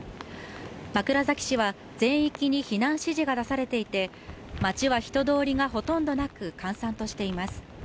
枕崎市は全域に避難指示が出されていて、町は人通りもなく閑散としています。